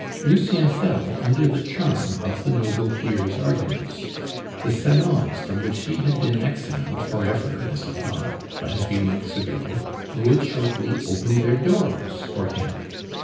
Lucien fell under the charm of the noble peer's arguments; the salons from which he had been exiled for ever, as he thought, but a few months ago, would shortly open their doors for him!